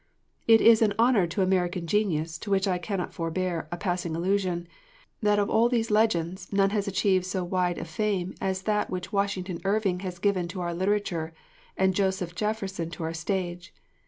It is an honour to American genius, to which I cannot forbear a passing allusion, that of all these legends, none has achieved so wide a fame as that which Washington Irving has given to our literature, and Joseph Jefferson to our stage.